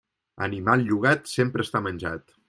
Animal llogat, sempre està menjat.